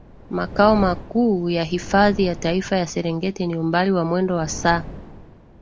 makao makuu ya hifadhi ya Taifa ya Serengeti Ni umbali wa mwendo wa saa